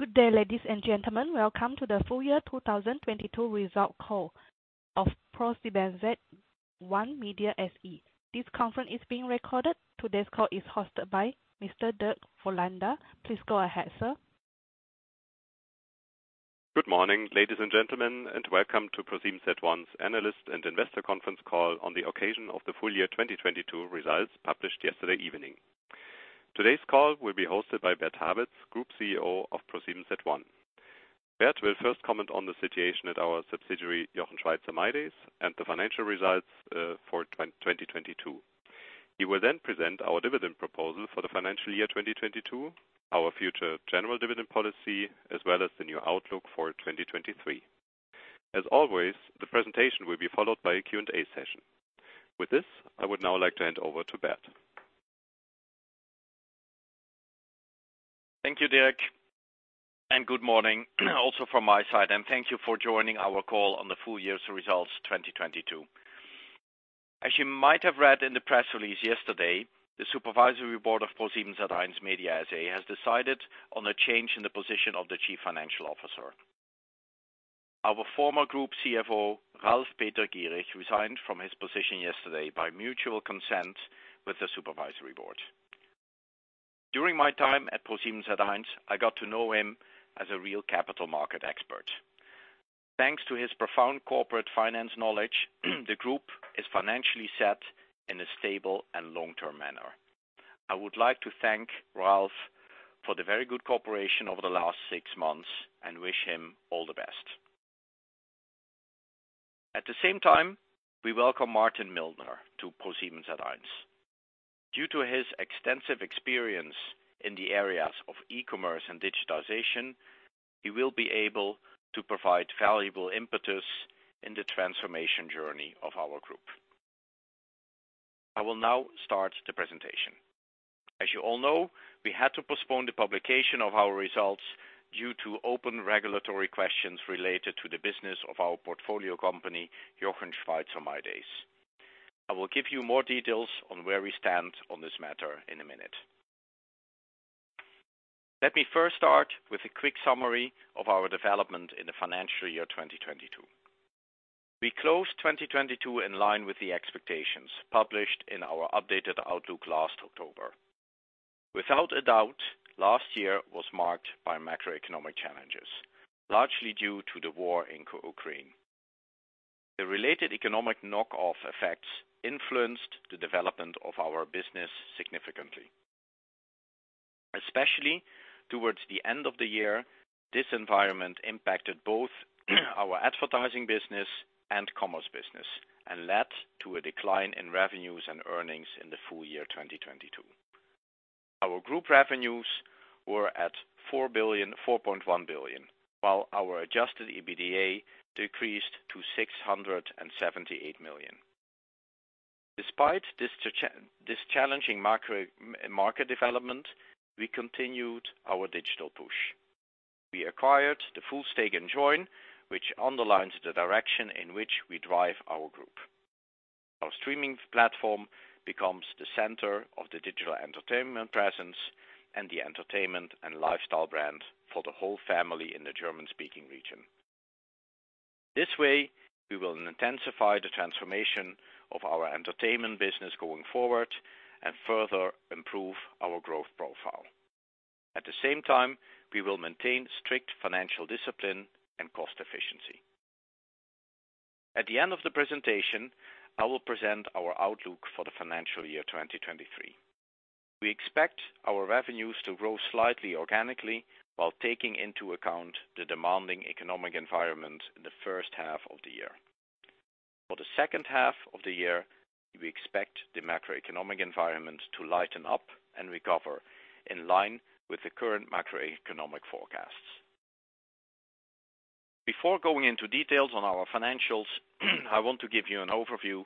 Good day, ladies and gentlemen. Welcome to the Full-year 2022 Result Call of ProSiebenSat.1 Media SE. This conference is being recorded. Today's call is hosted by Mr. Dirk Voigtländer. Please go ahead, sir. Good morning, ladies and gentlemen, welcome to ProSiebenSat.1's analyst and Investor Conference Call on the occasion of the full-year 2022 results published yesterday evening. Today's call will be hosted by Bert Habets, Group CEO, of ProSiebenSat.1. Bert will first comment on the situation at our subsidiary, Jochen Schweizer mydays, and the financial results for 2022. He will present our dividend proposal for the financial year 2022, our future general dividend policy, as well as the new outlook for 2023. As always, the presentation will be followed by a Q&A session. With this, I would now like to hand over to Bert. Thank you, Dirk, and good morning also from my side, and thank you for joining our call on the full-year's results 2022. As you might have read in the press release yesterday, the supervisory board of ProSiebenSat.1 Media SE has decided on a change in the position of the Chief Financial Officer. Our former Group CFO, Ralf Peter Gierig, resigned from his position yesterday by mutual consent with the supervisory board. During my time at ProSiebenSat.1, I got to know him as a real capital market expert. Thanks to his profound corporate finance knowledge, the group is financially set in a stable and long-term manner. I would like to thank Ralf for the very good cooperation over the last six months and wish him all the best. At the same time, we welcome Martin Mildner to ProSiebenSat.1. Due to his extensive experience in the areas of e-commerce and digitization, he will be able to provide valuable impetus in the transformation journey of our group. I will now start the presentation. As you all know, we had to postpone the publication of our results due to open regulatory questions related to the business of our portfolio company, Jochen Schweizer mydays. I will give you more details on where we stand on this matter in a minute. Let me first start with a quick summary of our development in the financial year 2022. We closed 2022 in line with the expectations published in our updated outlook last October. Without a doubt, last year was marked by macroeconomic challenges, largely due to the war in Ukraine. The related economic knock-off effects influenced the development of our business significantly. Especially towards the end of the year, this environment impacted both our advertising business and commerce business and led to a decline in revenues and earnings in the full-year 2022. Our group revenues were at 4.0 billion, 4.1 billion, while our adjusted EBITDA decreased to 678 million. Despite this challenging macro market development, we continued our digital push. We acquired the full stake in Joyn, which underlines the direction in which we drive our group. Our streaming platform becomes the center of the digital entertainment presence and the entertainment and lifestyle brand for the whole family in the German-speaking region. This way, we will intensify the transformation of our entertainment business going forward and further improve our growth profile. At the same time, we will maintain strict financial discipline and cost efficiency. At the end of the presentation, I will present our outlook for the financial year 2023. We expect our revenues to grow slightly organically while taking into account the demanding economic environment in the first half of the year. For the second half of the year, we expect the macroeconomic environment to lighten up and recover in line with the current macroeconomic forecasts. Before going into details on our financials, I want to give you an overview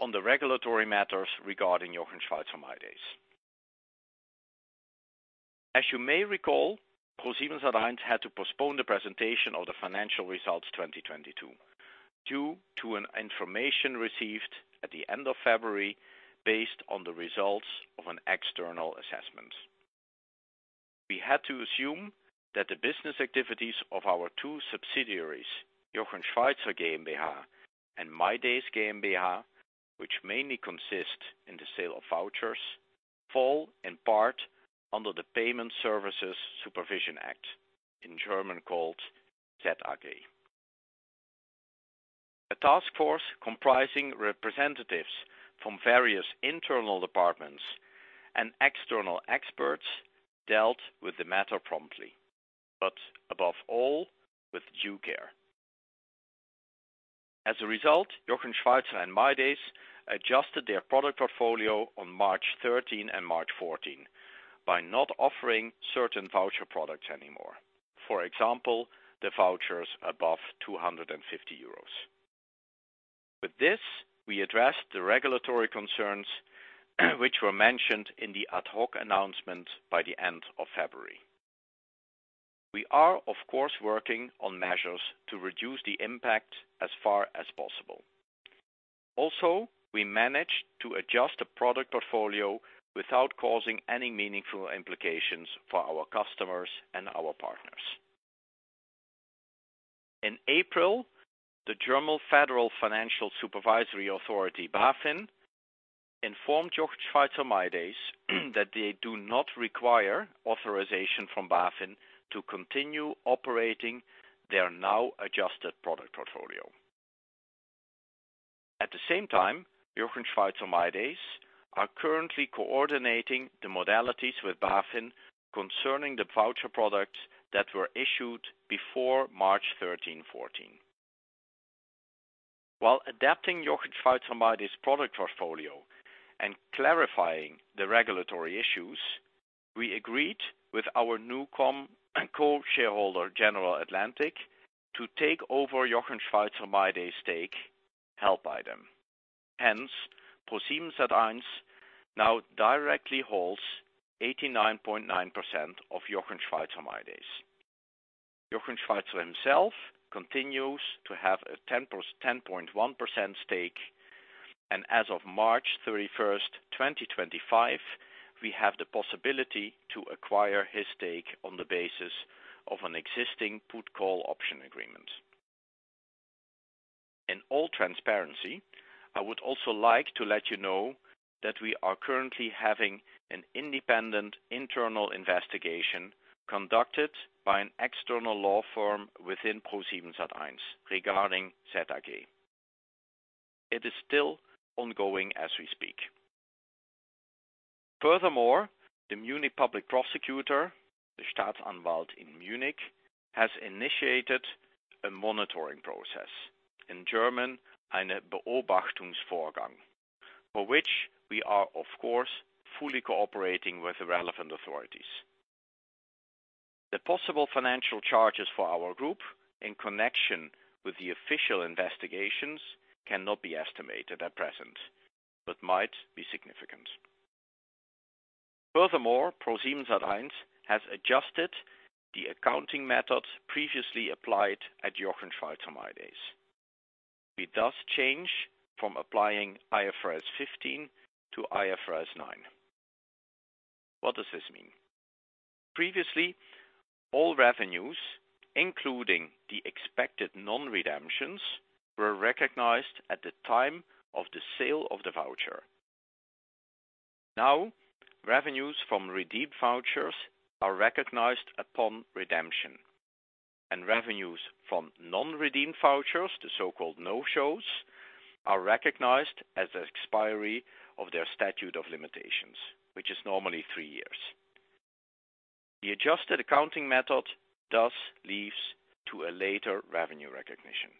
on the regulatory matters regarding Jochen Schweizer mydays. As you may recall, ProSiebenSat.1 had to postpone the presentation of the financial results 2022 due to an information received at the end of February based on the results of an external assessment. We had to assume that the business activities of our two subsidiaries, Jochen Schweizer GmbH and mydays GmbH, which mainly consist in the sale of vouchers, fall in part under the Payment Services Supervision Act, in German called ZAG. A task force comprising representatives from various internal departments and external experts dealt with the matter promptly, but above all, with due care. As a result, Jochen Schweizer and mydays adjusted their product portfolio on March 13 and March 14 by not offering certain voucher products anymore. For example, the vouchers above 250 euros. With this, we addressed the regulatory concerns which were mentioned in the ad hoc announcement by the end of February. We managed to adjust the product portfolio without causing any meaningful implications for our customers and our partners. In April, the German Federal Financial Supervisory Authority, BaFin, informed Jochen Schweizer mydays that they do not require authorization from BaFin to continue operating their now adjusted product portfolio. At the same time, Jochen Schweizer mydays are currently coordinating the modalities with BaFin concerning the voucher products that were issued before March 13, 14. While adapting Jochen Schweizer mydays product portfolio and clarifying the regulatory issues, we agreed with our NuCom and co-shareholder General Atlantic to take over Jochen Schweizer mydays stake held by them. ProSiebenSat.1 now directly holds 89.9% of Jochen Schweizer mydays. Jochen Schweizer himself continues to have a 10.1% stake. As of March 31, 2025, we have the possibility to acquire his stake on the basis of an existing put call option agreement. In all transparency, I would also like to let you know that we are currently having an independent internal investigation conducted by an external law firm within ProSiebenSat.1 regarding ZAG. It is still ongoing as we speak. The Munich Public Prosecutor, the Staatsanwalt in Munich, has initiated a monitoring process. In German, eine Beobachtungsvorgang, for which we are, of course, fully cooperating with the relevant authorities. The possible financial charges for our group in connection with the official investigations cannot be estimated at present, but might be significant. ProSiebenSat.1 has adjusted the accounting methods previously applied at Jochen Schweizer mydays. It does change from applying IFRS 15 to IFRS 9. What does this mean? Previously, all revenues, including the expected non-redemptions, were recognized at the time of the sale of the voucher. Now, revenues from redeemed vouchers are recognized upon redemption, and revenues from non-redeemed vouchers, the so-called no-shows, are recognized as the expiry of their statute of limitations, which is normally 3 years. The adjusted accounting method does leads to a later revenue recognition.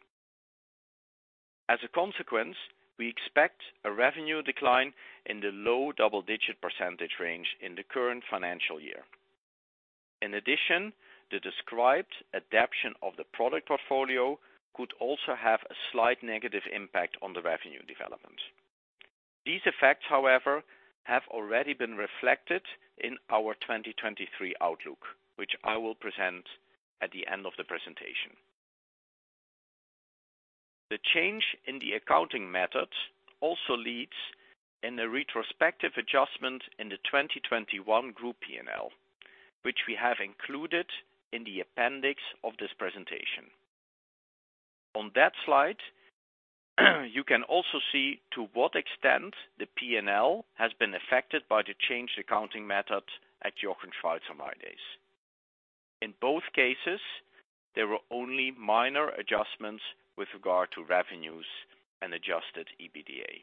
As a consequence, we expect a revenue decline in the low double-digit % range in the current financial year. In addition, the described adaption of the product portfolio could also have a slight negative impact on the revenue development. These effects, however, have already been reflected in our 2023 outlook, which I will present at the end of the presentation. The change in the accounting method also leads in a retrospective adjustment in the 2021 group P&L, which we have included in the appendix of this presentation. On that slide, you can also see to what extent the P&L has been affected by the changed accounting method at Jochen Schweizer mydays. In both cases, there were only minor adjustments with regard to revenues and adjusted EBITDA.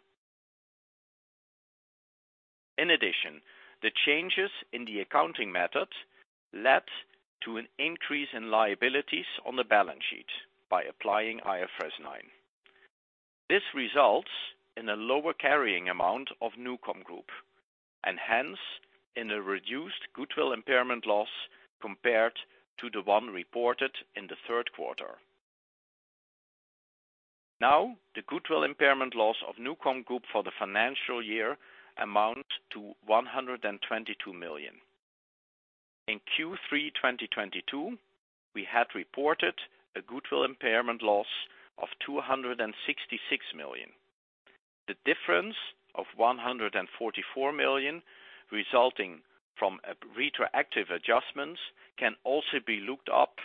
In addition, the changes in the accounting method led to an increase in liabilities on the balance sheet by applying IFRS 9. This results in a lower carrying amount of NuCom Group, and hence, in a reduced goodwill impairment loss compared to the one reported in the third quarter. Now, the goodwill impairment loss of NuCom Group for the financial year amounts to 122 million. In Q3 2022, we had reported a goodwill impairment loss of 266 million. The difference of 144 million resulting from retroactive adjustments can also be looked up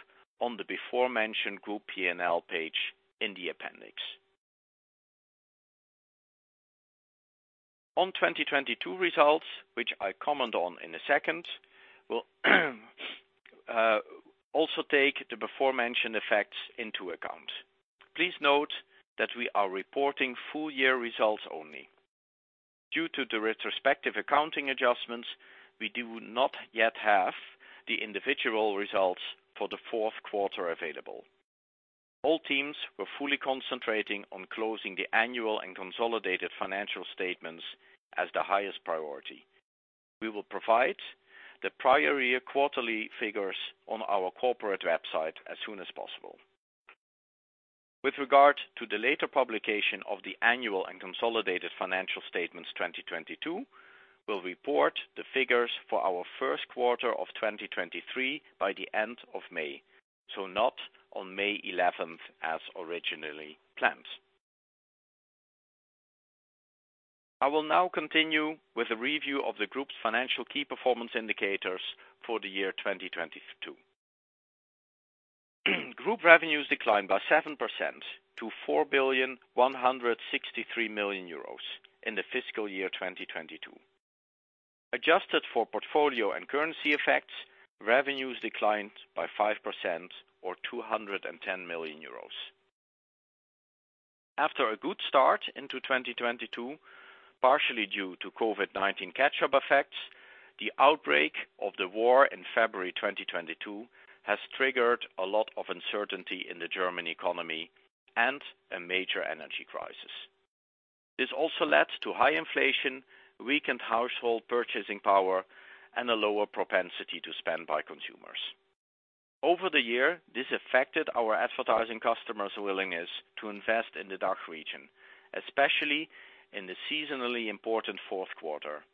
on the aforementioned group P&L page in the appendix. On 2022 results, which I comment on in a second, we'll also take the aforementioned effects into account. Please note that we are reporting full-year results only. Due to the retrospective accounting adjustments, we do not yet have the individual results for the 4th quarter available. All teams were fully concentrating on closing the annual and consolidated financial statements as the highest priority. We will provide the prior year quarterly figures on our corporate website as soon as possible. With regard to the later publication of the annual and consolidated financial statements 2022, we'll report the figures for our 1st quarter of 2023 by the end of May, so not on May 11th, as originally planned. I will now continue with a review of the group's financial key performance indicators for the year 2022. Group revenues declined by 7% to 4,163 million euros in the fiscal year 2022. Adjusted for portfolio and currency effects, revenues declined by 5% or 210 million euros. After a good start to 2022, partially due to COVID-19 catch-up effects, the outbreak of the war in February 2022 has triggered a lot of uncertainty in the German economy and a major energy crisis. This also led to high inflation, weakened household purchasing power, and a lower propensity to spend by consumers. Over the year, this affected our advertising customers' willingness to invest in the DACH region, especially in the seasonally important fourth quarter,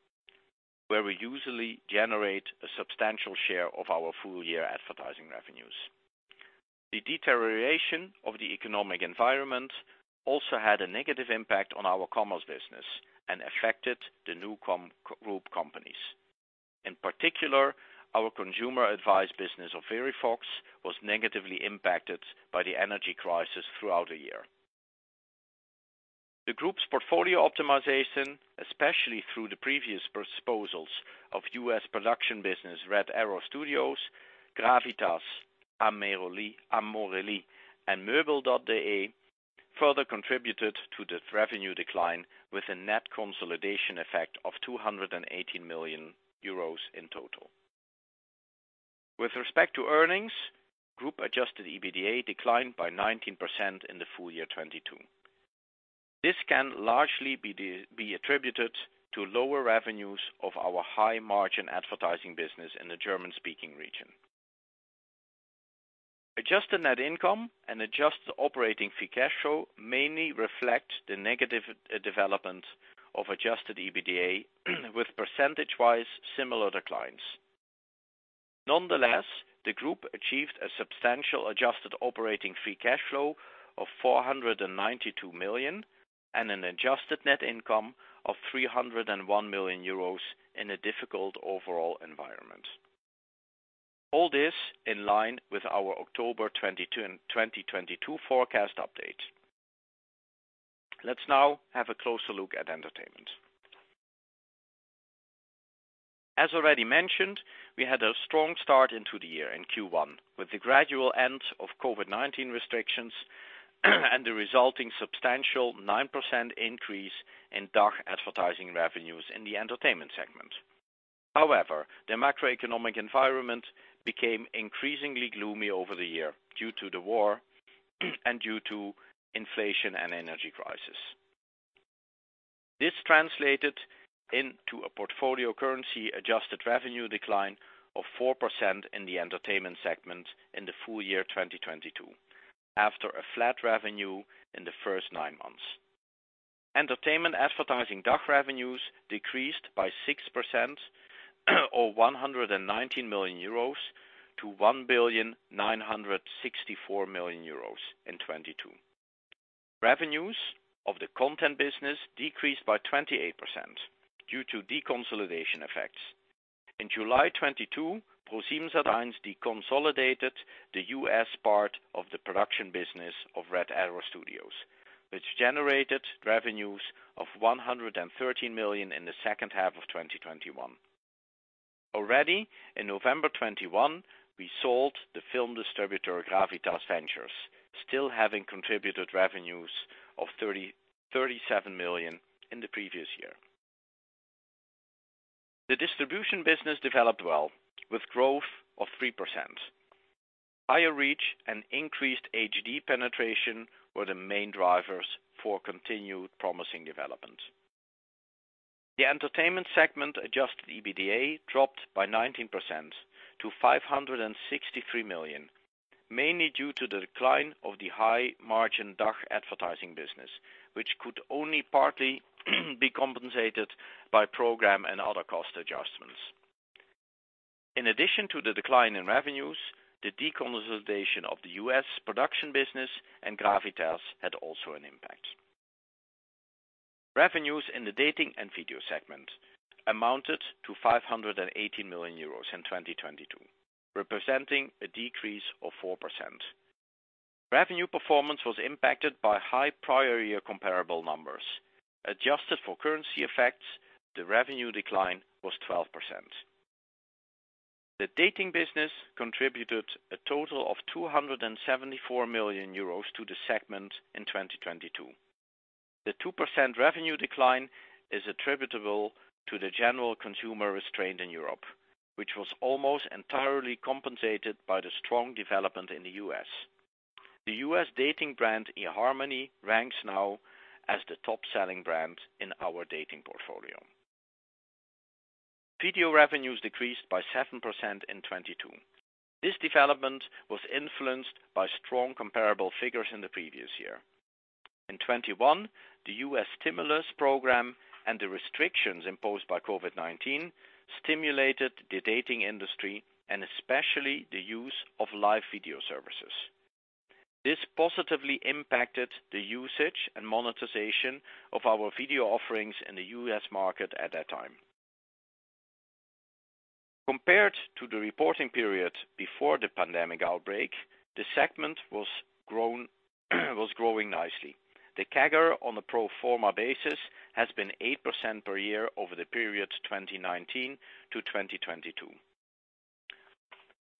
where we usually generate a substantial share of our full-year advertising revenues. The deterioration of the economic environment also had a negative impact on our commerce business and affected the new group companies. In particular, our consumer advice business, Verivox, was negatively impacted by the energy crisis throughout the year. The group's portfolio optimization, especially through the previous disposals of U.S. production business, Red Arrow Studios, Gravitas, Amorelie, and moebel.de, further contributed to the revenue decline with a net consolidation effect of 280 million euros in total. With respect to earnings, group adjusted EBITDA declined by 19% in the full-year 2022. This can largely be attributed to lower revenues of our high-margin advertising business in the German-speaking region. Adjusted net income and adjusted operating free cash flow mainly reflect the negative development of adjusted EBITDA with percentage-wise similar declines. The group achieved a substantial adjusted operating free cash flow of 492 million and an adjusted net income of 301 million euros in a difficult overall environment. All this in line with our October 2022 forecast update. Let's now have a closer look at entertainment. As already mentioned, we had a strong start into the year in Q1 with the gradual end of COVID-19 restrictions and the resulting substantial 9% increase in DACH advertising revenues in the entertainment segment. The macroeconomic environment became increasingly gloomy over the year due to the war and due to inflation and energy crisis. This translated into a portfolio currency adjusted revenue decline of 4% in the entertainment segment in the full-year 2022, after a flat revenue in the first 9 months. Entertainment advertising DACH revenues decreased by 6% or 119 million euros to 1,964 million euros in 2022. Revenues of the content business decreased by 28% due to deconsolidation effects. In July 2022, ProSiebenSat.1 deconsolidated the U.S. part of the production business of Red Arrow Studios, which generated revenues of 113 million in the second half of 2021. Already in November 2021, we sold the film distributor Gravitas Ventures, still having contributed revenues of 37 million in the previous year. The distribution business developed well with growth of 3%. Higher reach and increased HD penetration were the main drivers for continued promising development. The entertainment segment adjusted EBITDA dropped by 19% to 563 million, mainly due to the decline of the high margin DACH advertising business, which could only partly be compensated by program and other cost adjustments. In addition to the decline in revenues, the deconsolidation of the U.S. production business and Gravitas had also an impact. Revenues in the dating and video segment amounted to 580 million euros in 2022, representing a decrease of 4%. Revenue performance was impacted by high prior year comparable numbers. Adjusted for currency effects, the revenue decline was 12%. The dating business contributed a total of 274 million euros to the segment in 2022. The 2% revenue decline is attributable to the general consumer restraint in Europe, which was almost entirely compensated by the strong development in the U.S. The U.S. dating brand eharmony ranks now as the top selling brand in our dating portfolio. Video revenues decreased by 7% in 2022. This development was influenced by strong comparable figures in the previous year. In 2021, the U.S. stimulus program and the restrictions imposed by COVID-19 stimulated the dating industry, and especially the use of live video services. This positively impacted the usage and monetization of our video offerings in the U.S. market at that time. Compared to the reporting period before the pandemic outbreak, the segment was growing nicely. The CAGR on a pro forma basis has been 8% per year over the period 2019 to 2022.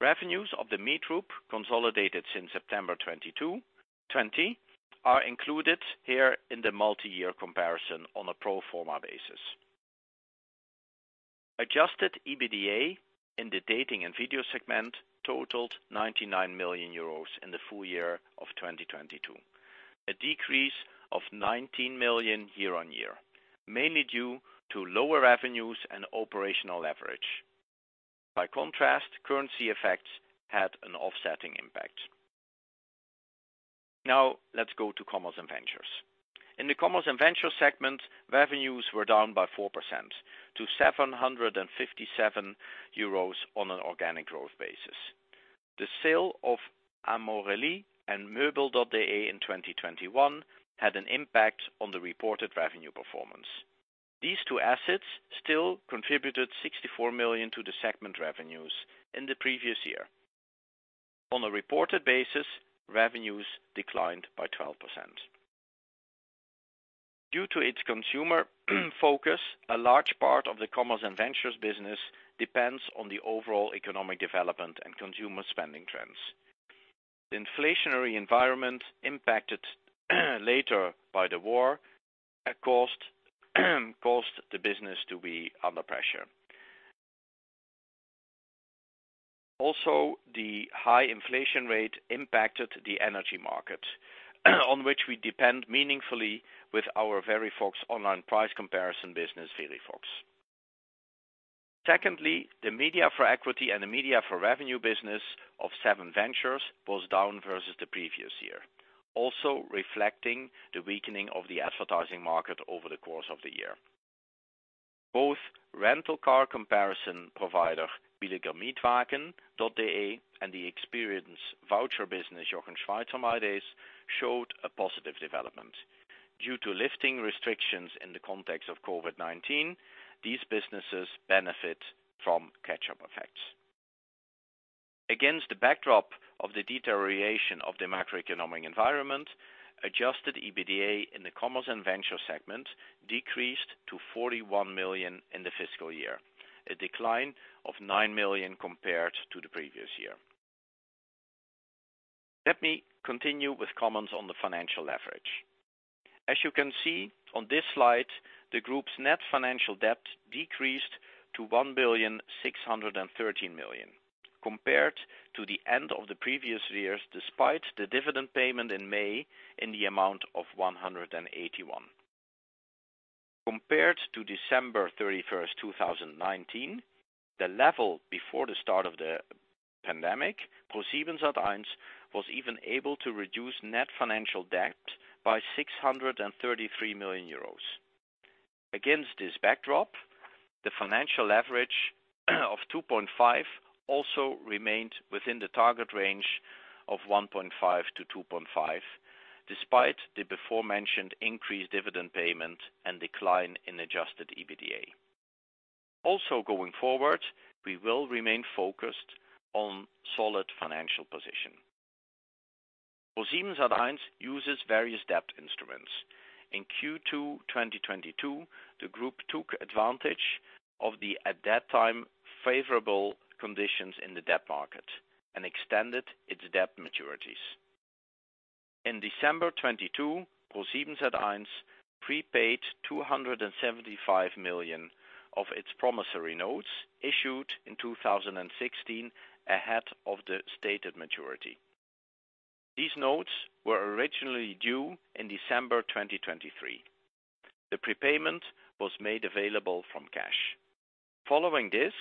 Revenues of The Meet Group consolidated since September 2020, are included here in the multi-year comparison on a pro forma basis. Adjusted EBITDA in the dating and video segment totaled 99 million euros in the full-year of 2022, a decrease of 19 million year-on-year, mainly due to lower revenues and operational leverage. By contrast, currency effects had an offsetting impact. Now let's go to Commerce & Ventures. In the Commerce & Ventures segment, revenues were down by 4% to 757 million euros on an organic growth basis. The sale of Amorelie and moebel.de in 2021 had an impact on the reported revenue performance. These two assets still contributed 64 million to the segment revenues in the previous year. On a reported basis, revenues declined by 12%. Due to its consumer focus, a large part of the Commerce & Ventures business depends on the overall economic development and consumer spending trends. The inflationary environment impacted, later by the war, caused the business to be under pressure. The high inflation rate impacted the energy market, on which we depend meaningfully with our Verivox online price comparison business, Verivox. Secondly, the Media for Equity and the Media for Revenue business of SevenVentures was down versus the previous year, also reflecting the weakening of the advertising market over the course of the year. Both rental car comparison provider billiger-mietwagen.de and the experience voucher business, Jochen Schweizer mydays, showed a positive development. Due to lifting restrictions in the context of COVID-19, these businesses benefit from catch-up effects. Against the backdrop of the deterioration of the macroeconomic environment, adjusted EBITDA in the Commerce & Ventures segment decreased to 41 million in the fiscal year, a decline of 9 million compared to the previous year. Let me continue with comments on the financial leverage. As you can see on this slide, the group's net financial debt decreased to 1,613 million compared to the end of the previous years, despite the dividend payment in May in the amount of 181 million. Compared to December 31, 2019, the level before the start of the pandemic, ProSiebenSat.1 was even able to reduce net financial debt by 633 million euros. Against this backdrop, the financial leverage of 2.5x also remained within the target range of 1.5x-2.5x, despite the aforementioned increased dividend payment and decline in adjusted EBITDA. Also going forward, we will remain focused on solid financial position. ProSiebenSat.1 uses various debt instruments. In Q2 2022, the group took advantage of the, at that time, favorable conditions in the debt market and extended its debt maturities. In December 2022, ProSiebenSat.1 prepaid 275 million of its promissory notes issued in 2016 ahead of the stated maturity. These notes were originally due in December 2023. The prepayment was made available from cash. Following this,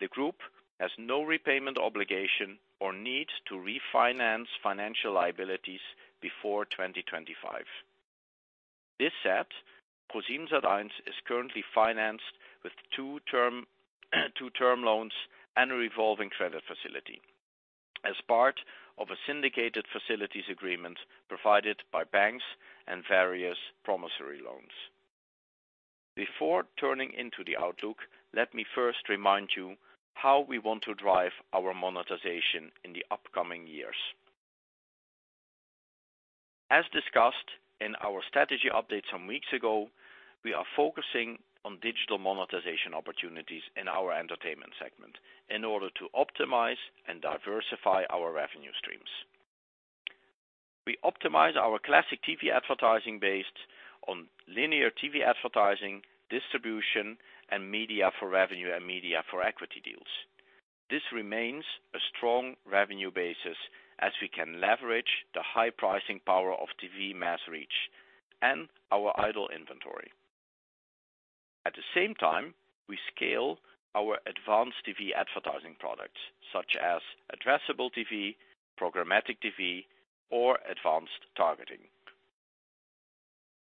the group has no repayment obligation or need to refinance financial liabilities before 2025. ProSiebenSat.1 is currently financed with two term loans and a revolving credit facility as part of a syndicated facilities agreement provided by banks and various promissory loans. Before turning into the outlook, let me first remind you how we want to drive our monetization in the upcoming years. As discussed in our strategy update some weeks ago, we are focusing on digital monetization opportunities in our entertainment segment in order to optimize and diversify our revenue streams. We optimize our classic TV advertising based on linear TV advertising, distribution, and Media for Revenue and Media for Equity deals. This remains a strong revenue basis as we can leverage the high pricing power of TV mass reach and our idle inventory. At the same time, we scale our advanced TV advertising products such as addressable TV, programmatic TV, or advanced targeting.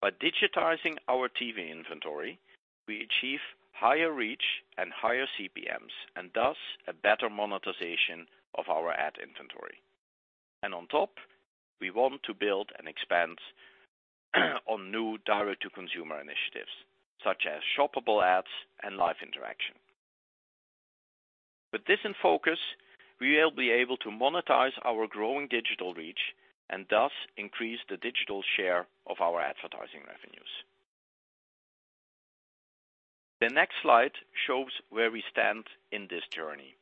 By digitizing our TV inventory, we achieve higher reach and higher CPMs and thus a better monetization of our ad inventory. On top, we want to build and expand on new direct-to-consumer initiatives such as shoppable ads and live interaction. With this in focus, we will be able to monetize our growing digital reach and thus increase the digital share of our advertising revenues. The next slide shows where we stand in this journey.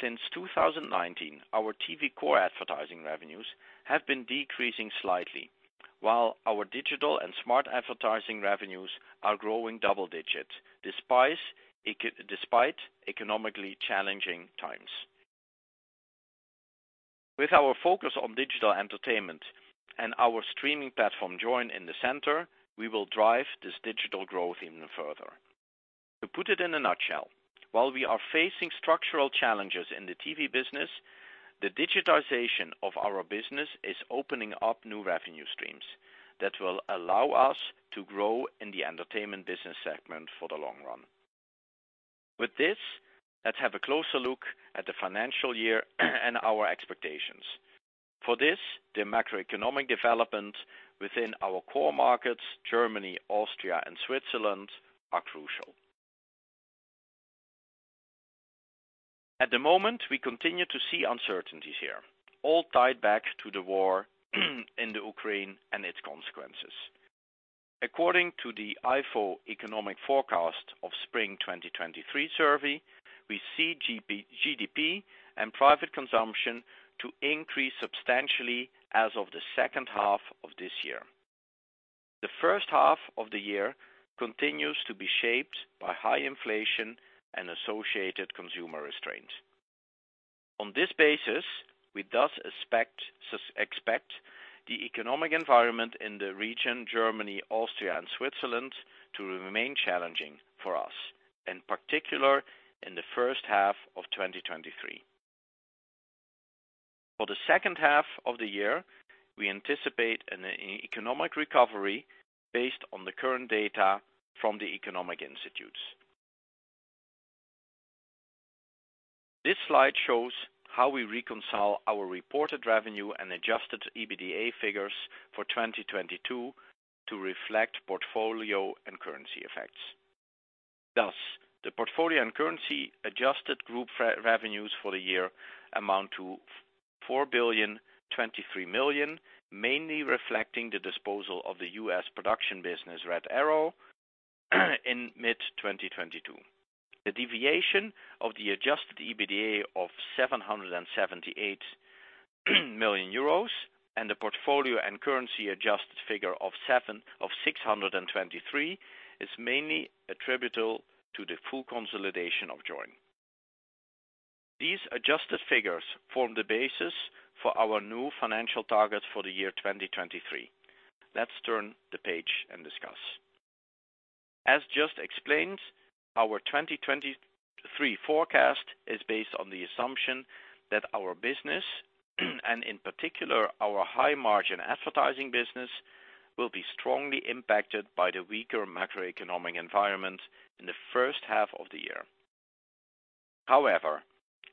Since 2019, our TV core advertising revenues have been decreasing slightly while our digital and smart advertising revenues are growing double-digit despite economically challenging times. With our focus on digital entertainment and our streaming platform Joyn in the center, we will drive this digital growth even further. To put it in a nutshell, while we are facing structural challenges in the TV business, the digitization of our business is opening up new revenue streams that will allow us to grow in the entertainment business segment for the long run. Let's have a closer look at the financial year and our expectations. The macroeconomic development within our core markets, Germany, Austria, and Switzerland, are crucial. At the moment, we continue to see uncertainties here, all tied back to the war in the Ukraine and its consequences. According to the Ifo economic forecast of spring 2023 survey, we see GDP and private consumption to increase substantially as of the second half of this year. The first half of the year continues to be shaped by high inflation and associated consumer restraint. On this basis, we thus expect the economic environment in the region, Germany, Austria, and Switzerland, to remain challenging for us, in particular in the first half of 2023. For the second half of the year, we anticipate an economic recovery based on the current data from the economic institutes. This slide shows how we reconcile our reported revenue and adjusted EBITDA figures for 2022 to reflect portfolio and currency effects. The portfolio and currency adjusted group revenues for the year amount to 4.023 billion, mainly reflecting the disposal of the U.S. production business, Red Arrow, in mid-2022. The deviation of the adjusted EBITDA of 778 million euros and the portfolio and currency adjusted figure of 623 million is mainly attributable to the full consolidation of Joyn. These adjusted figures form the basis for our new financial targets for the year 2023. Let's turn the page and discuss. As just explained, our 2023 forecast is based on the assumption that our business, and in particular, our high margin advertising business, will be strongly impacted by the weaker macroeconomic environment in the first half of the year. However,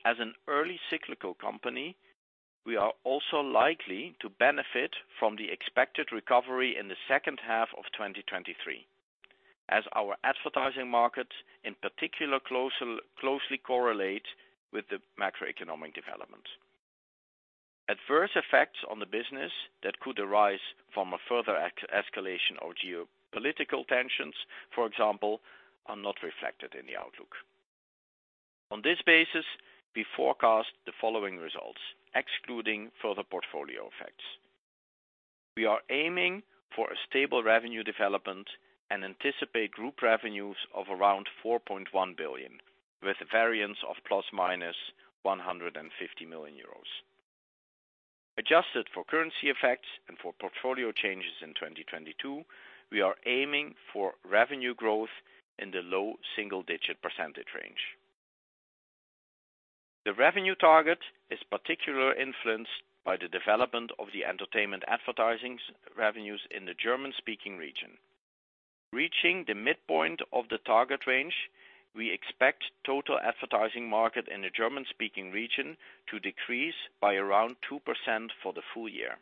as an early cyclical company, we are also likely to benefit from the expected recovery in the second half of 2023 as our advertising markets, in particular, closely correlate with the macroeconomic development. Adverse effects on the business that could arise from a further escalation of geopolitical tensions, for example, are not reflected in the outlook. On this basis, we forecast the following results, excluding further portfolio effects. We are aiming for a stable revenue development and anticipate group revenues of around 4.1 billion with a variance of ± 150 million euros. Adjusted for currency effects and for portfolio changes in 2022, we are aiming for revenue growth in the low single-digit % range. The revenue target is particularly influenced by the development of the entertainment advertisings revenues in the German-speaking Region. Reaching the midpoint of the target range, we expect total advertising market in the German-speaking Region to decrease by around 2% for the full-year.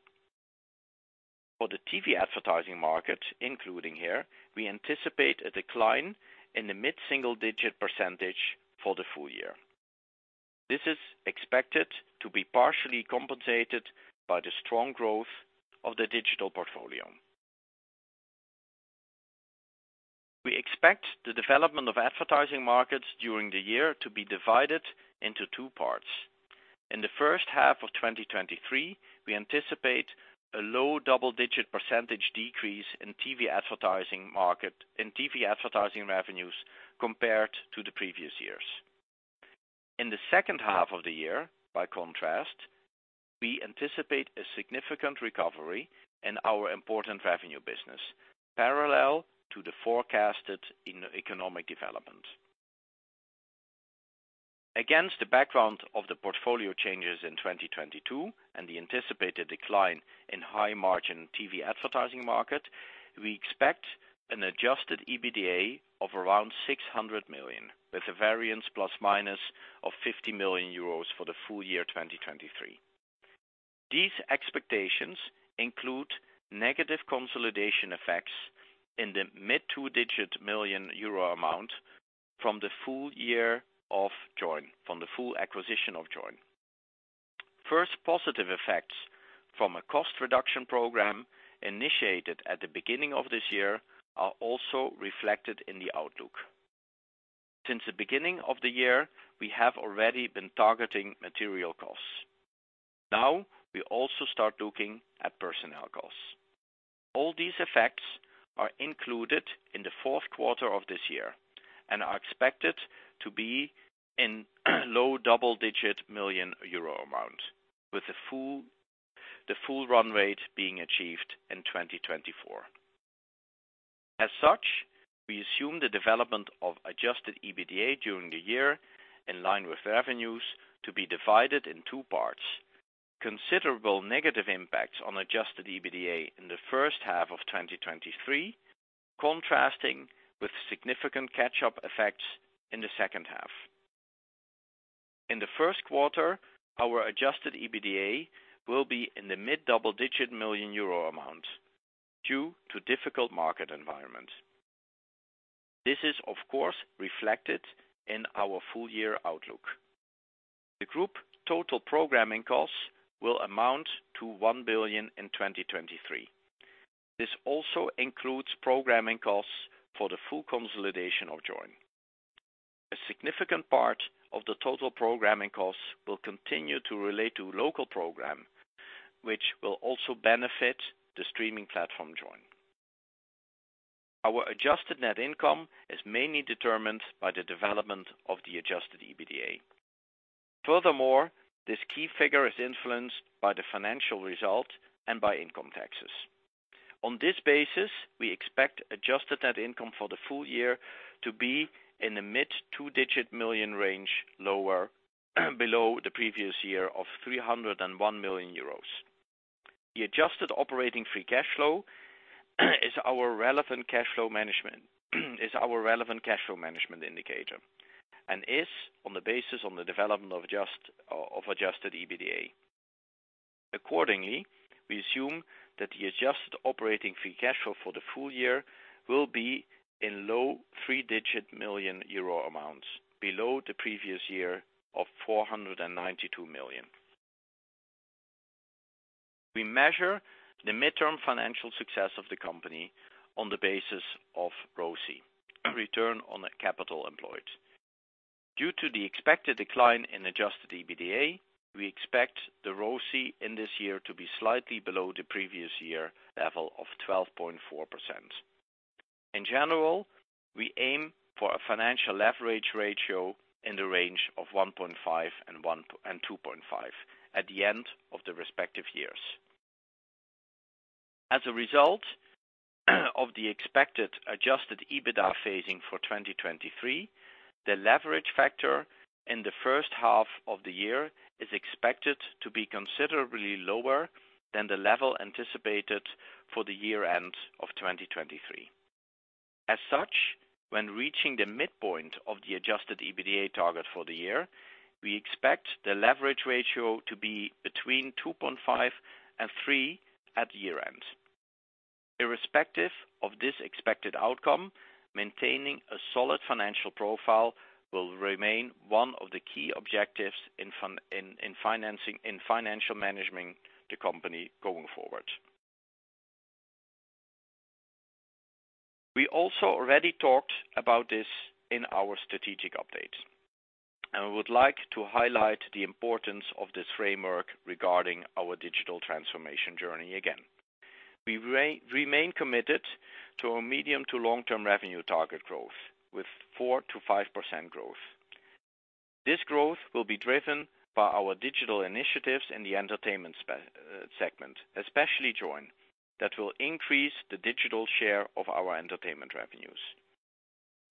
For the TV advertising market, including here, we anticipate a decline in the mid-single digit % for the full-year. This is expected to be partially compensated by the strong growth of the digital portfolio. We expect the development of advertising markets during the year to be divided into two parts. In the first half of 2023, we anticipate a low double-digit % decrease in TV advertising revenues compared to the previous years. In the second half of the year, by contrast, we anticipate a significant recovery in our important revenue business parallel to the forecasted economic development. Against the background of the portfolio changes in 2022 and the anticipated decline in high-margin TV advertising market, we expect an adjusted EBITDA of around 600 million, with a variance ± 50 million euros for the full-year 2023. These expectations include negative consolidation effects in the mid two-digit million EUR amount from the full acquisition of Joyn. First positive effects from a cost reduction program initiated at the beginning of this year are also reflected in the outlook. Since the beginning of the year, we have already been targeting material costs. Now we also start looking at personnel costs. All these effects are included in the fourth quarter of this year and are expected to be in low double-digit million euro amount, with the full run rate being achieved in 2024. As such, we assume the development of adjusted EBITDA during the year in line with revenues to be divided in 2 parts. Considerable negative impacts on adjusted EBITDA in the first half of 2023, contrasting with significant catch-up effects in the second half. In the first quarter, our adjusted EBITDA will be in the mid double-digit million euro amount due to difficult market environment. This is, of course, reflected in our full-year outlook. The group total programming costs will amount to 1 billion in 2023. This also includes programming costs for the full consolidation of Joyn. A significant part of the total programming costs will continue to relate to local program, which will also benefit the streaming platform Joyn. Our adjusted net income is mainly determined by the development of the adjusted EBITDA. This key figure is influenced by the financial result and by income taxes. On this basis, we expect adjusted net income for the full-year to be in the mid two-digit million range, well below the previous year of 301 million euros. The adjusted operating free cash flow is our relevant cash flow management indicator and is on the basis on the development of adjusted EBITDA. Accordingly, we assume that the adjusted operating free cash flow for the full-year will be in low three-digit million range below the previous year of 492 million. We measure the mid-term financial success of the company on the basis of ROCE, return on capital employed. Due to the expected decline in adjusted EBITDA, we expect the ROCE in this year to be slightly below the previous year level of 12.4%. In general, we aim for a financial leverage ratio in the range of 1.5x-2.5x at the end of the respective years. As a result of the expected adjusted EBITDA phasing for 2023, the leverage factor in the first half of the year is expected to be considerably lower than the level anticipated for the year-end of 2023. As such, when reaching the midpoint of the adjusted EBITDA target for the year, we expect the leverage ratio to be between 2.5x and 3.0x at year-end. Irrespective of this expected outcome, maintaining a solid financial profile will remain one of the key objectives in financially managing the company going forward. We also already talked about this in our strategic update, and we would like to highlight the importance of this framework regarding our digital transformation journey again. We remain committed to a medium- to long-term revenue target growth with 4%-5% growth. This growth will be driven by our digital initiatives in the entertainment segment, especially Joyn, that will increase the digital share of our entertainment revenues.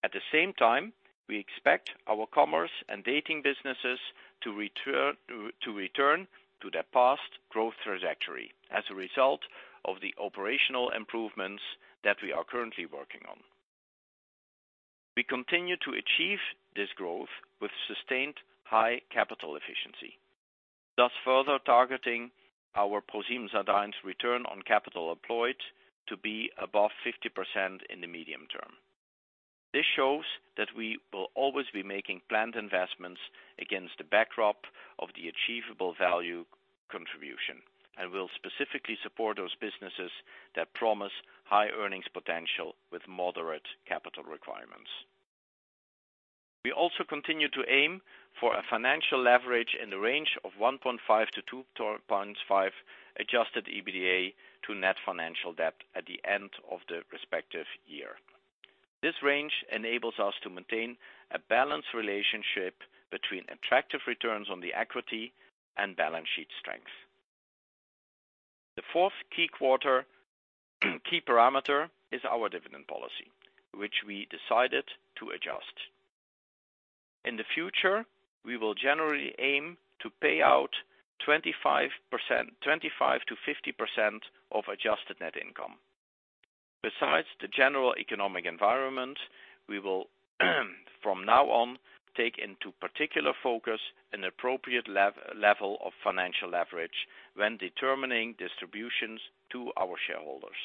At the same time, we expect our commerce and dating businesses to return to their past growth trajectory as a result of the operational improvements that we are currently working on. We continue to achieve this growth with sustained high capital efficiency, thus further targeting our ProSiebenSat.1's return on capital employed to be above 50% in the medium term. This shows that we will always be making planned investments against the backdrop of the achievable value contribution, and will specifically support those businesses that promise high earnings potential with moderate capital requirements. We also continue to aim for a financial leverage in the range of 1.5 to 2.5 adjusted EBITDA to net financial debt at the end of the respective year. This range enables us to maintain a balanced relationship between attractive returns on the equity and balance sheet strength. The fourth key parameter is our dividend policy, which we decided to adjust. In the future, we will generally aim to pay out 25%-50% of adjusted net income. Besides the general economic environment, we will, from now on, take into particular focus an appropriate level of financial leverage when determining distributions to our shareholders.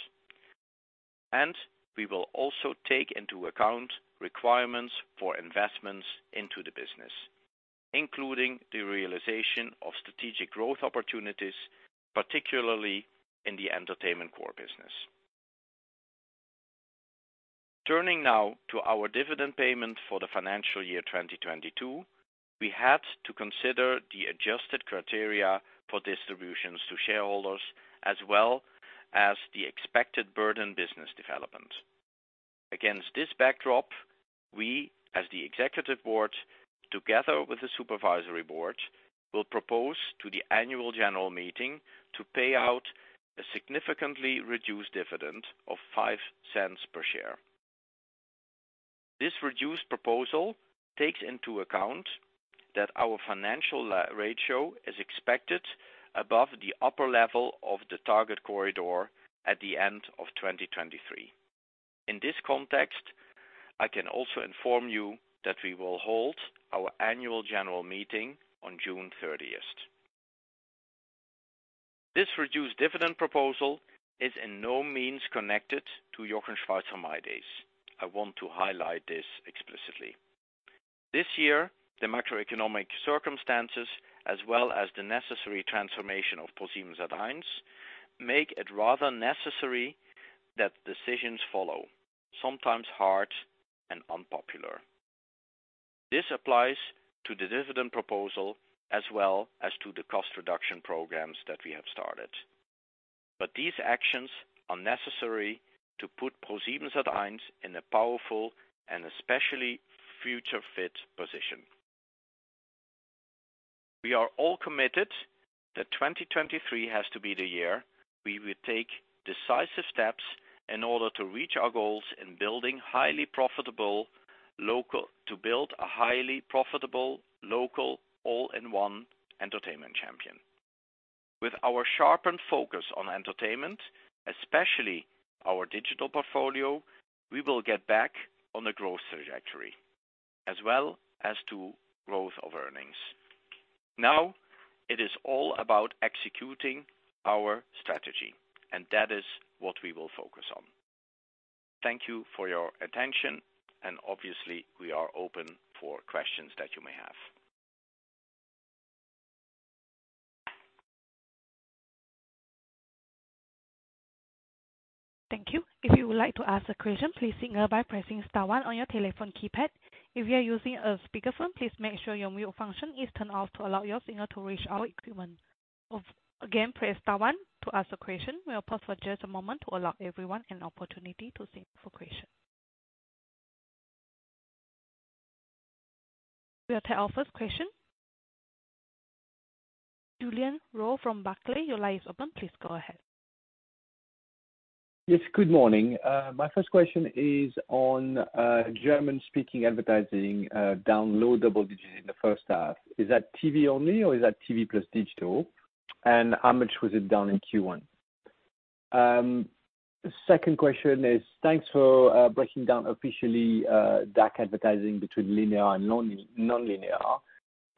We will also take into account requirements for investments into the business, including the realization of strategic growth opportunities, particularly in the entertainment core business. Turning now to our dividend payment for the financial year 2022, we had to consider the adjusted criteria for distributions to shareholders as well as the expected burden on business development. Against this backdrop, we, as the Executive Board, together with the Supervisory Board, will propose to the annual general meeting to pay out a significantly reduced dividend of 0.05 per share. This reduced proposal takes into account that our financial ratio is expected above the upper level of the target corridor at the end of 2023. In this context, I can also inform you that we will hold our annual general meeting on June 30th. This reduced dividend proposal is by no means connected to Jochen Schweizer mydays. I want to highlight this explicitly. This year, the macroeconomic circumstances as well as the necessary transformation of ProSiebenSat.1 make it rather necessary that decisions follow, sometimes hard and unpopular. This applies to the dividend proposal as well as to the cost reduction programs that we have started. These actions are necessary to put ProSiebenSat.1 in a powerful and especially future-fit position. We are all committed that 2023 has to be the year we will take decisive steps in order to reach our goals to build a highly profitable local all-in-one entertainment champion. With our sharpened focus on entertainment, especially our digital portfolio, we will get back on the growth trajectory as well as to growth of earnings. It is all about executing our strategy, and that is what we will focus on. Thank you for your attention and obviously we are open for questions that you may have. Thank you. If you would like to ask a question, please signal by pressing star one on your telephone keypad. If you are using a speakerphone, please make sure your mute function is turned off to allow your signal to reach our equipment. Again, press star one to ask a question. We'll pause for just a moment to allow everyone an opportunity to signal for questions. We'll take our first question. Julien Roch from Barclays, your line is open. Please go ahead. Yes, good morning. My first question is on German-speaking advertising, double-digit decline in the first half. Is that TV only or is that TV plus digital? How much was it down in Q1? Second question is thanks for breaking down officially DACH advertising between linear and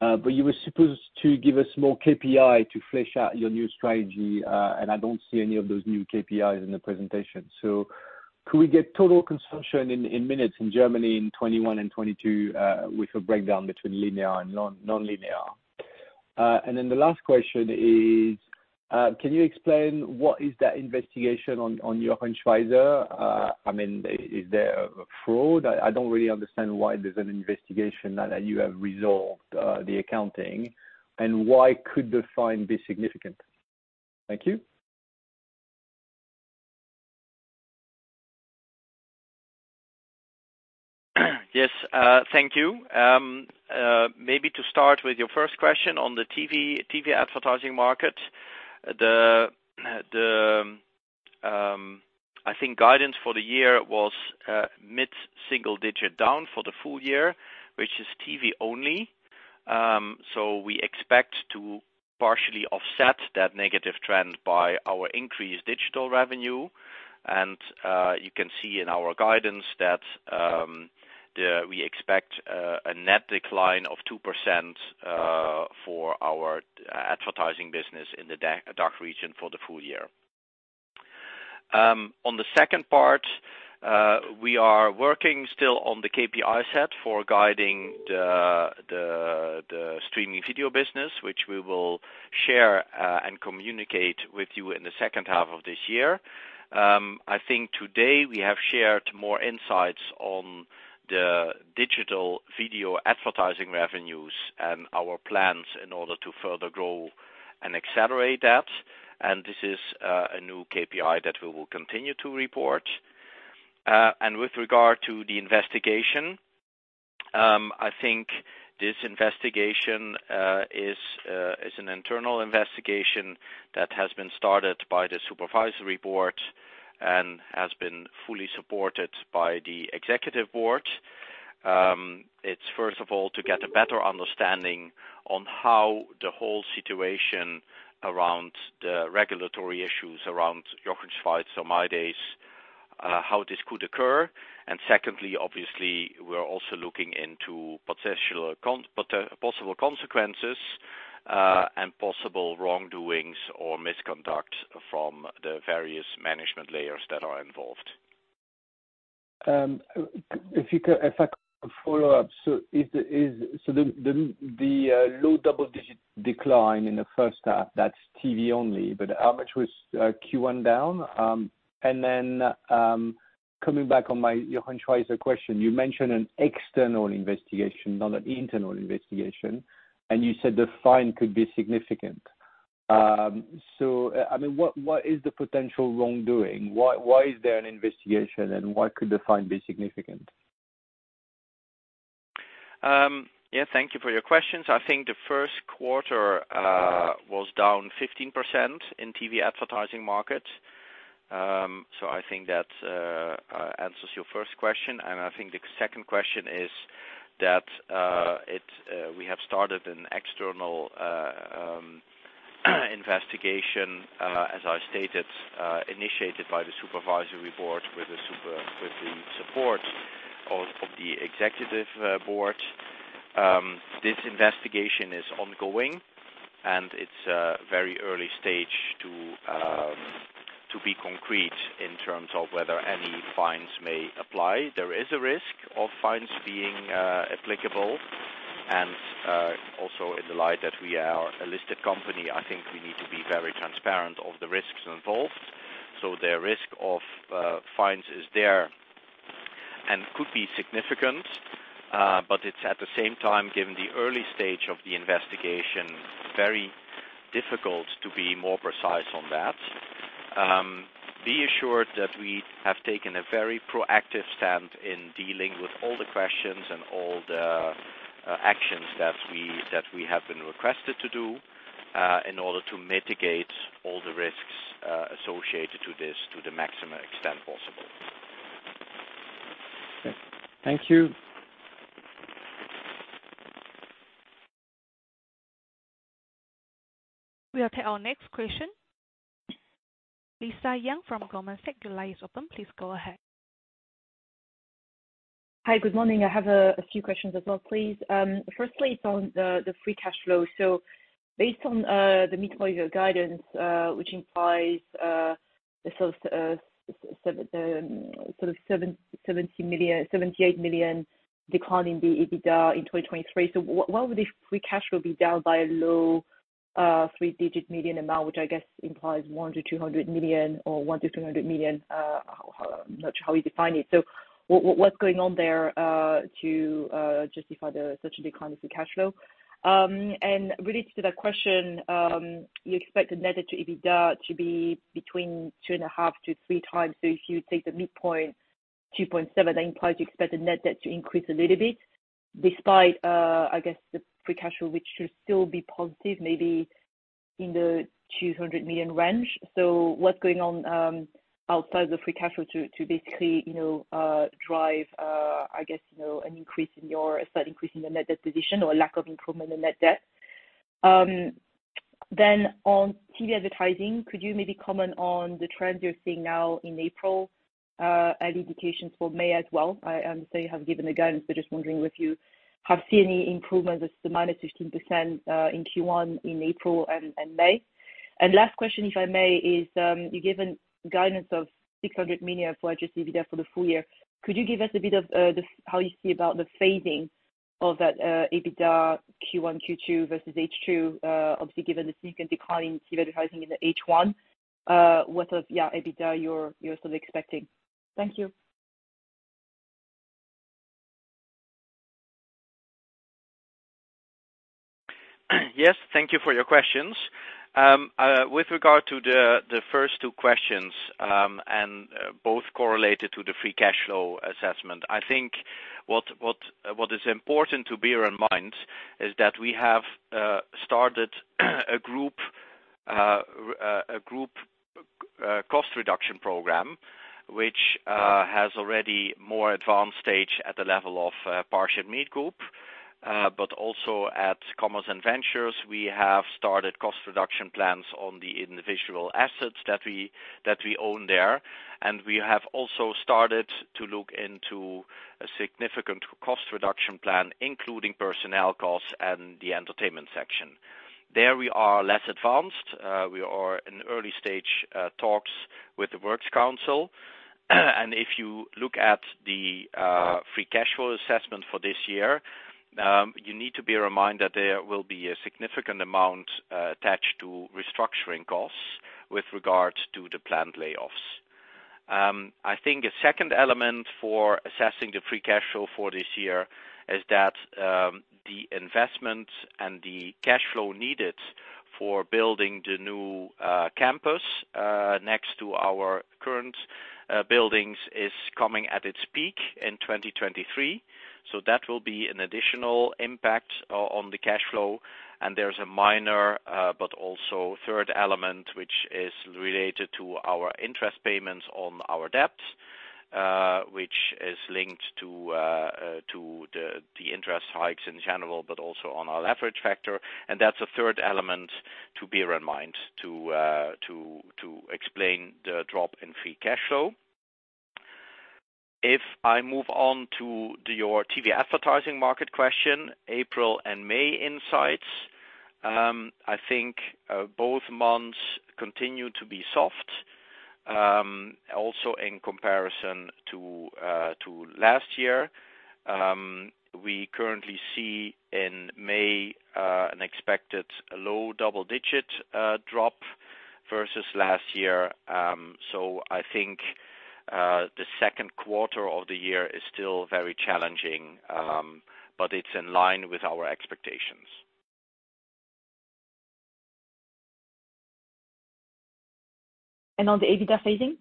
non-linear. You were supposed to give a small KPI to flesh out your new strategy, and I don't see any of those new KPIs in the presentation. Could we get total consumption in minutes in Germany in 2021 and 2022, with a breakdown between linear and non-linear? The last question is, can you explain what is that investigation on Jochen Schweizer? I mean, is there a fraud? I don't really understand why there's an investigation now that you have resolved the accounting. Why could the fine be significant? Thank you. Yes, thank you. Maybe to start with your first question on the TV advertising market. I think guidance for the year was mid-single digit down for the full-year, which is TV only. We expect to partially offset that negative trend by our increased digital revenue. You can see in our guidance that we expect a net decline of 2% for our advertising business in the DACH region for the full-year. On the second part, we are working still on the KPI set for guiding the streaming video business which we will share and communicate with you in the second half of this year. I think today we have shared more insights on the digital video advertising revenues and our plans in order to further grow and accelerate that. This is a new KPI that we will continue to report. With regard to the investigation, I think this investigation is an internal investigation that has been started by the supervisory board and has been fully supported by the executive board. It's first of all to get a better understanding on how the whole situation around the regulatory issues around Jochen Schweizer mydays, how this could occur. Secondly, obviously, we're also looking into potential possible consequences, and possible wrongdoings or misconduct from the various management layers that are involved. If I could follow up. Is the low double-digit decline in the first half, that's TV only, but how much was Q1 down? Coming back on my Jochen Schweizer question, you mentioned an external investigation, not an internal investigation, and you said the fine could be significant. I mean, what is the potential wrongdoing? Why is there an investigation, and why could the fine be significant? Yeah, thank you for your questions. I think the first quarter was down 15% in TV advertising market. I think that answers your first question. I think the second question is that we have started an external investigation as I stated initiated by the supervisory board with the support of the executive board. This investigation is ongoing, and it's a very early stage to be concrete in terms of whether any fines may apply. There is a risk of fines being applicable. Also in the light that we are a listed company, I think we need to be very transparent of the risks involved. The risk of fines is there and could be significant, but it's at the same time, given the early stage of the investigation, very difficult to be more precise on that. Be assured that we have taken a very proactive stand in dealing with all the questions and all the actions that we have been requested to do, in order to mitigate all the risks associated to this to the maximum extent possible. Thank you. We'll take our next question. Lisa Yang from Goldman Sachs, your line is open. Please go ahead. Hi, good morning. I have a few questions as well, please. Firstly, it's on the free cash flow. Based on the mid-year guidance, which implies the sort of EUR 78 million decline in the EBITDA in 2023. What would the free cash flow be down by a low, three-digit million amount, which I guess implies 100 million-200 million or 100 million-300 million? I'm not sure how we define it. What's going on there to justify such a decline in free cash flow? Related to that question, you expect the net debt to EBITDA to be between 2.5-3 times. If you take the midpoint, 2.7, that implies you expect the net debt to increase a little bit despite, I guess, the free cash flow, which should still be positive, maybe in the 200 million range. What's going on, outside the free cash flow to basically, you know, drive, I guess, you know, a slight increase in your net debt position or lack of improvement in net debt? On TV advertising, could you maybe comment on the trends you're seeing now in April, and indications for May as well? I understand you have given the guidance, but just wondering if you have seen any improvement as the -15% in Q1 in April and May. Last question, if I may, is, you've given guidance of 600 million for adjusted EBITDA for the full-year. Could you give us a bit of how you see about the phasing of that EBITDA Q1, Q2 versus H2? Obviously, given the significant decline in TV advertising in the H1, what EBITDA you're still expecting? Thank you. Yes, thank you for your questions. With regard to the first two questions, both correlated to the free cash flow assessment, I think what is important to bear in mind is that we have started a group cost reduction program, which has already more advanced stage at the level of ParshipMeet Group. But also at Commerce & Ventures, we have started cost reduction plans on the individual assets that we own there. We have also started to look into a significant cost reduction plan, including personnel costs and the entertainment section. There we are less advanced. We are in early-stage talks with the works council. If you look at the free cash flow assessment for this year, you need to be reminded that there will be a significant amount attached to restructuring costs with regards to the planned layoffs. I think a second element for assessing the free cash flow for this year is that the investment and the cash flow needed for building the new campus next to our current buildings is coming at its peak in 2023. That will be an additional impact on the cash flow. There's a minor, but also third element, which is related to our interest payments on our debt, which is linked to the interest hikes in general, but also on our leverage factor. That's a third element to bear in mind to explain the drop in free cash flow. If I move on to your TV advertising market question, April and May insights, I think both months continue to be soft, also in comparison to last year. We currently see in May an expected low double-digit drop versus last year. I think the second quarter of the year is still very challenging, but it's in line with our expectations. On the EBITDA phasing?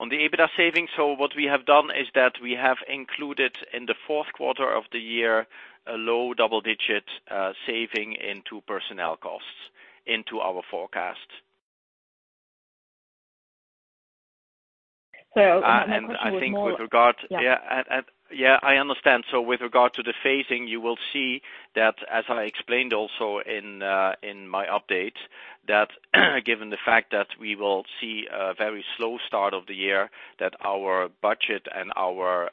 On the EBITDA savings, what we have done is that we have included in the fourth quarter of the year a low double-digit saving into personnel costs into our forecast. My question was more. I think with regard. Yeah. Yeah, I understand. With regard to the phasing, you will see that as I explained also in my update, that given the fact that we will see a very slow start of the year, that our budget and our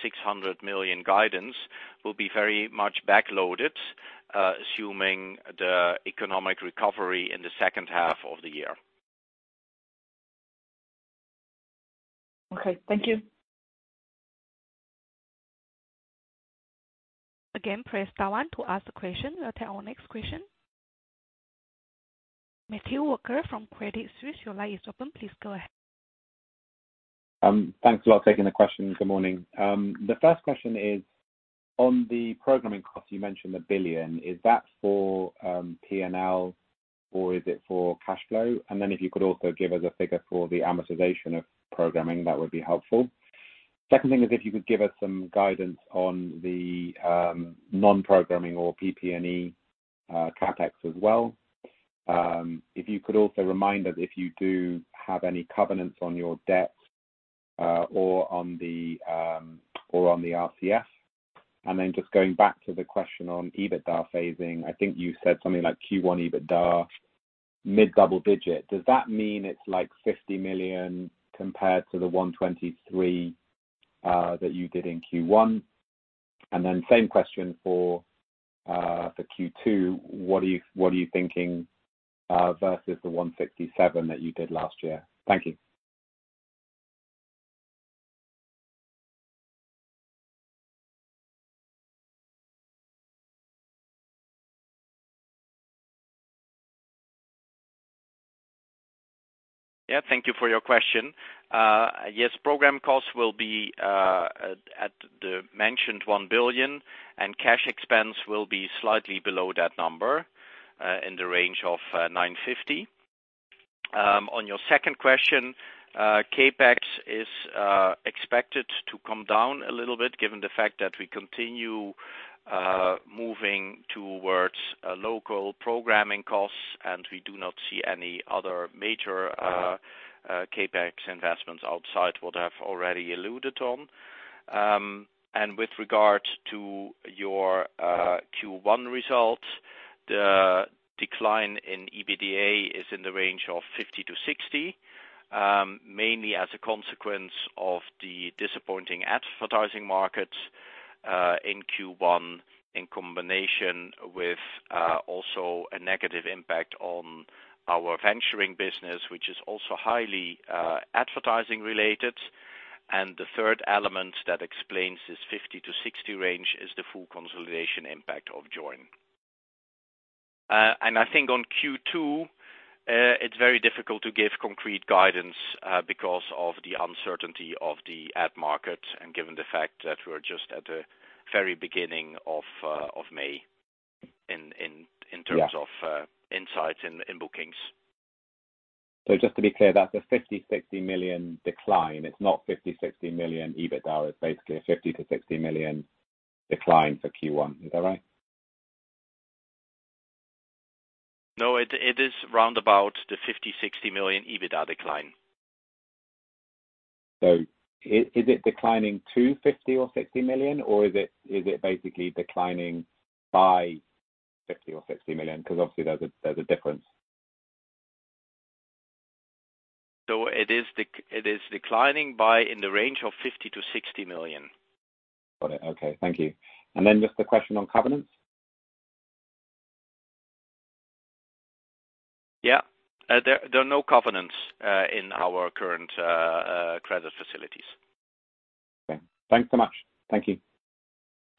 600 million guidance will be very much backloaded, assuming the economic recovery in the second half of the year. Okay, thank you. Again, press star one to ask the question. I'll take our next question. Matthew Walker from Credit Suisse, your line is open. Please go ahead. Thanks a lot for taking the question. Good morning. The first question is on the programming cost, you mentioned 1 billion. Is that for P&L, or is it for cash flow? If you could also give us a figure for the amortization of programming, that would be helpful. Second thing is if you could give us some guidance on the non-programming or PP&E CapEx as well. If you could also remind us if you do have any covenants on your debt, or on the RCF. Just going back to the question on EBITDA phasing, I think you said something like Q1 EBITDA, mid double digit. Does that mean it's like 50 million compared to the 123 that you did in Q1? Same question for Q2. What are you thinking versus the 167 that you did last year? Thank you. Yeah, thank you for your question. Yes, program costs will be at the mentioned 1 billion, and cash expense will be slightly below that number, in the range of 950 million. On your second question, CapEx is expected to come down a little bit given the fact that we continue moving towards local programming costs, and we do not see any other major CapEx investments outside what I've already alluded on. With regards to your Q1 results, the decline in EBITDA is in the range of 50 million-60 million, mainly as a consequence of the disappointing advertising markets in Q1, in combination with also a negative impact on our venturing business, which is also highly advertising related. The third element that explains this 50-60 range is the full consolidation impact of Joyn. I think on Q2, it's very difficult to give concrete guidance because of the uncertainty of the ad market and given the fact that we're just at the very beginning of May in terms of insights in bookings. Just to be clear, that's a 50 million-60 million decline. It's not 50 million-60 million EBITDA. It's basically a 50 million-60 million decline for Q1. Is that right? No, it is round about the 50-60 million EBITDA decline. Is it declining to 50 million or 60 million, or is it basically declining by 50 million or 60 million? 'Cause obviously, there's a difference. It is declining by in the range of 50 million-60 million. Got it. Okay, thank you. Just a question on covenants? Yeah. There are no covenants in our current credit facilities. Okay. Thanks so much. Thank you.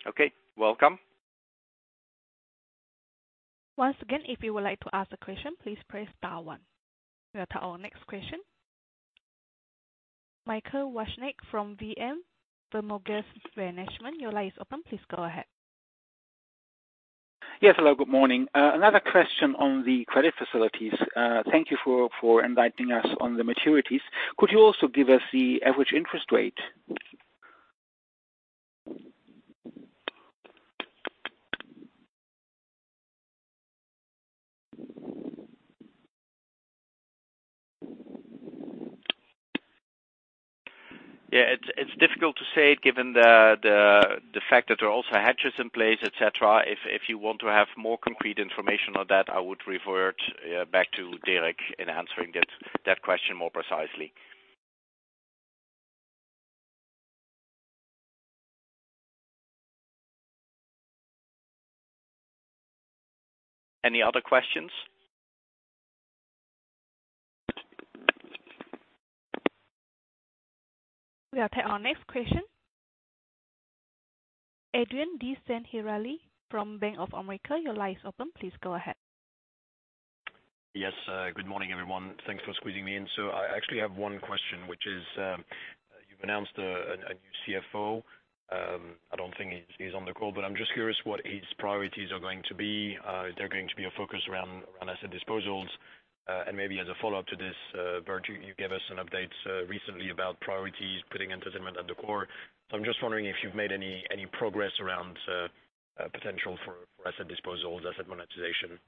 Okay, welcome. Once again, if you would like to ask a question, please press star one. We have our next question. Michael Woischneck from VM Vermögens-Management. Your line is open. Please go ahead. Yes. Hello, good morning. Another question on the credit facilities. Thank you for inviting us on the maturities. Could you also give us the average interest rate? Yeah. It's difficult to say given the fact that there are also hedges in place, et cetera. If you want to have more concrete information on that, I would revert back to Derek in answering that question more precisely. Any other questions? We'll take our next question. Adrien de Saint Hilaire from Bank of America. Your line is open. Please go ahead. Yes. Good morning, everyone. Thanks for squeezing me in. I actually have one question, which is, you've announced a new CFO. I don't think he's on the call, but I'm just curious what his priorities are going to be. Is there going to be a focus around asset disposals? Maybe as a follow-up to this, Bert, you gave us an update recently about priorities, putting entertainment at the core. I'm just wondering if you've made any progress around potential for asset disposals, asset monetization.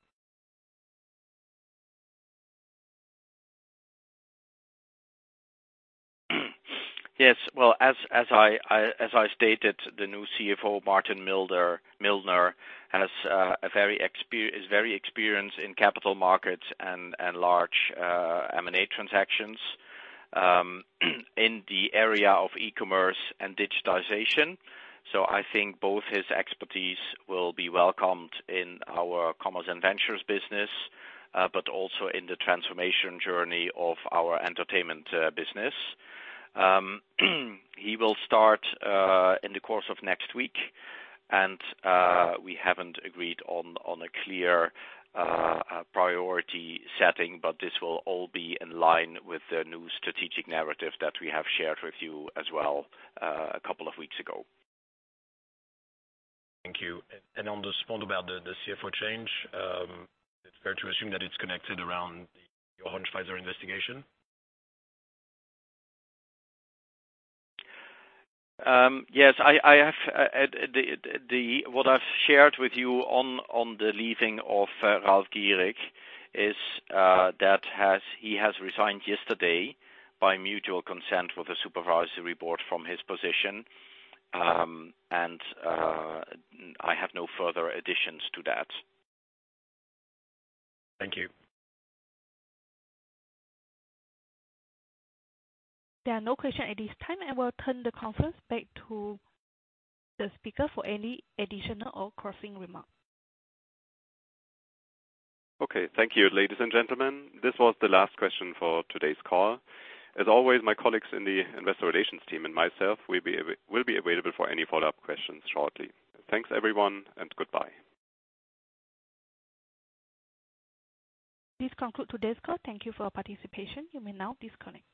Yes. Well, as I stated, the new CFO, Martin Mildner, has a very experienced in capital markets and large M&A transactions in the area of e-commerce and digitization. I think both his expertise will be welcomed in our Commerce & Ventures business, but also in the transformation journey of our entertainment business. He will start in the course of next week, and we haven't agreed on a clear priority setting, but this will all be in line with the new strategic narrative that we have shared with you as well a couple of weeks ago. Thank you. On the spot about the CFO change, it's fair to assume that it's connected around the Jochen Schweizer investigation? Yes. I have What I've shared with you on the leaving of Ralf Gierig is, he has resigned yesterday by mutual consent with the supervisory board from his position, and I have no further additions to that. Thank you. There are no questions at this time, and we'll turn the conference back to the speaker for any additional or closing remarks. Okay. Thank you, ladies and gentlemen. This was the last question for today's call. As always, my colleagues in the investor relations team and myself will be available for any follow-up questions shortly. Thanks, everyone, and goodbye. This concludes today's call. Thank you for your participation. You may now disconnect.